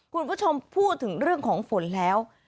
คุณผู้ชมพูดถึงเรื่องของฝนแล้ว